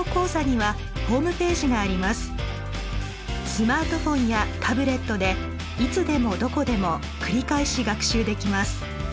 スマートフォンやタブレットでいつでもどこでも繰り返し学習できます。